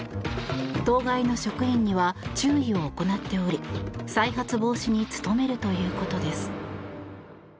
当該の職員には注意を行っており再発防止に努めるということです。